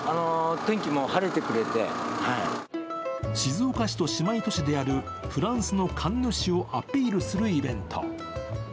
静岡市と姉妹都市であるフランスのカンヌ市をアピールするイベント。